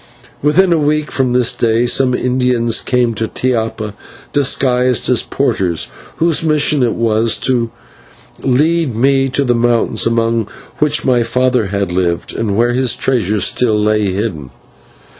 Within a week from this day some Indians came to Tiapa disguised as porters, whose mission it was to lead me to the mountains among which my father had lived, and where his treasure still lay hidden.